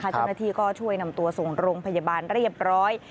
เจ้าหน้าที่ก็ช่วยนำตัวส่งโรงพยาบาลเรียบร้อย